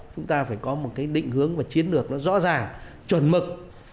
chúng ta phải có một cái định hướng và chiến lược nó rõ ràng chuẩn mực